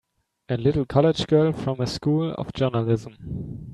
A little college girl from a School of Journalism!